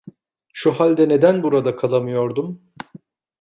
Şu halde neden burada kalamıyordum?